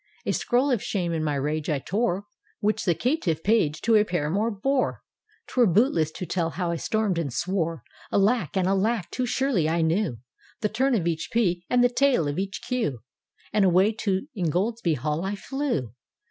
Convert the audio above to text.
A scroll of shame in my rage I tore. Which that caitifif Page to a paramour bore; Twere bootless to tell how I storm'd and swore; Alack! and alack! too surely I knew The turn of each P, and the tail of each Q, And away to Ingoldsby Hall I flew!